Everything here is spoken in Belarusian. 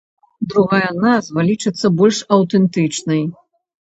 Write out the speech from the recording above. Другая назва лічыцца больш аўтэнтычнай.